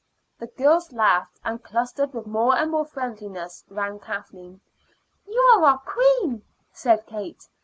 The girls laughed, and clustered with more and more friendliness round Kathleen. "You are our queen," said Kate.